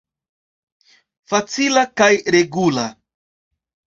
Facila kaj regula.